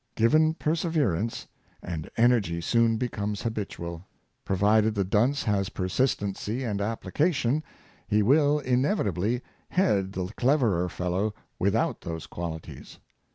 Given per severance, and energy soon becomes habitual. Pro vided the dunce has persistency and application, he will inevitably head the cleverer fellow without those qualities.